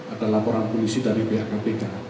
adalah laporan polisi dari bakpk